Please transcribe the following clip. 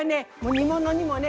煮物にもね